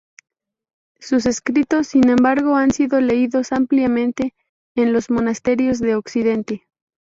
Sus escritos, sin embargo, han sido leídos ampliamente en los monasterios de Occidente.